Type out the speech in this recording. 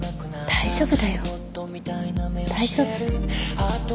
大丈夫。